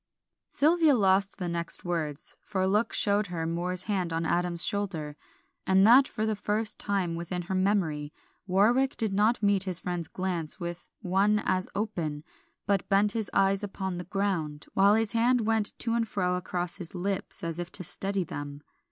Sylvia lost the next words, for a look showed her Moor's hand on Adam's shoulder, and that for the first time within her memory Warwick did not meet his friend's glance with one as open, but bent his eyes upon the ground, while his hand went to and fro across his lips as if to steady them.